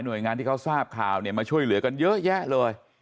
โดยงานที่เขาทราบข่าวเนี่ยมาช่วยเหลือกันเยอะแยะเลย